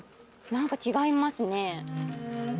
何か違いますね。